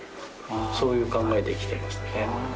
そういう考えで生きてましたね。